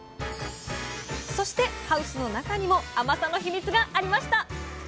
そしてハウスの中にも甘さのヒミツがありました